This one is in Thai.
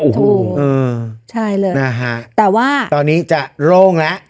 นะครับโอ้โหอือใช่เลยนะฮะแต่ว่าตอนนี้จะโล่งแล้ว